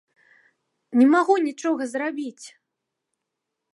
Не магу нічога зрабіць!